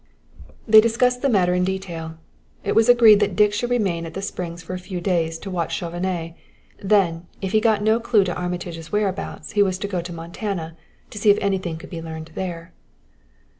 They discussed the matter in detail. It was agreed that Dick should remain at the Springs for a few days to watch Chauvenet; then, if he got no clue to Armitage's whereabouts, he was to go to Montana, to see if anything could be learned there.